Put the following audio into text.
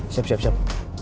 siap siap siap